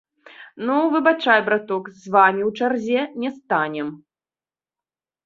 Ну, выбачай, браток, з вамі ў чарзе не станем.